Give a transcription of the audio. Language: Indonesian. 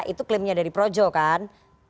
itu klaimnya dari projo kan